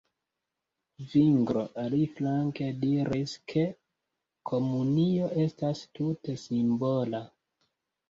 Zvinglo, aliflanke, diris, ke komunio estas tute simbola.